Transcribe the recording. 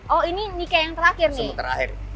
oh ini ike yang terakhir nih